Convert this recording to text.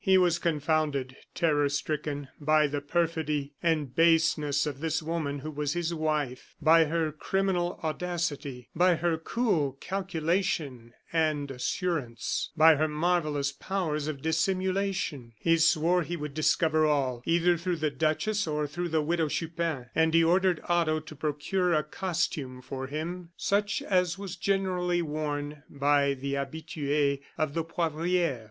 He was confounded, terror stricken by the perfidy and baseness of this woman who was his wife by her criminal audacity, by her cool calculation and assurance, by her marvellous powers of dissimulation. He swore he would discover all, either through the duchess or through the Widow Chupin; and he ordered Otto to procure a costume for him such as was generally worn by the habitues of the Poivriere.